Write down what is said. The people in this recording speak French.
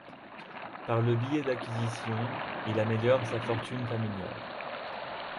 Par le biais d'acquisitions, il améliore sa fortune familiale.